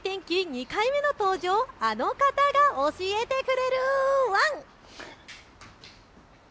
２回目の登場、あの方が教えてくれるワン。